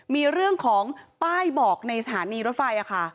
มีเรื่องของป้ายบอกในสถานีรถไฟค่ะ